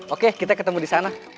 oke kita ketemu di sana